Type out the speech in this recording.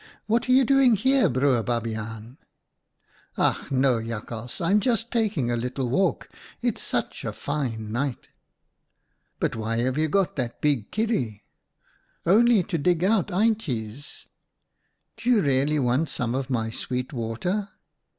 What are you doing here, Broer Babiaan ?'"' Ach no ! Jakhals, I'm just taking a little walk. It's such a fine night.' "' But why have you got that big kierie ?'"! Only to dig out eintjes.' "' Do you really want some of my sweet water